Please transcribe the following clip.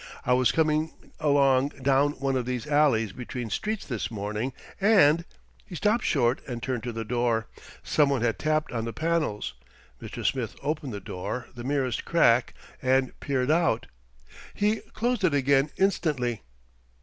I was coming along down one of these alleys between streets this morning and " He stopped short and turned to the door. Some one had tapped on the panels. Mr. Smith opened the door the merest crack and peered out. He closed it again instantly.